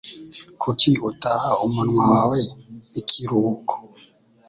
Kuki utaha umunwa wawe ikiruhuko?